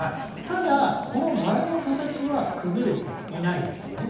ただこの丸の形は崩れていないですよね。